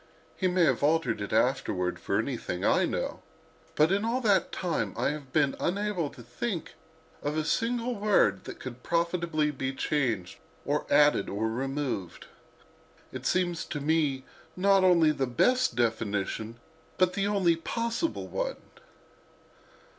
He may have altered it afterward, for anything I know, but in all that time I have been unable to think of a single word that could profitably be changed or added or removed. It seems to me not only the best definition, but the only possible one.